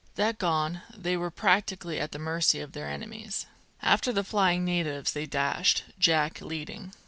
That gone, they were practically at the mercy of their enemies. After the flying natives they dashed, Jack leading.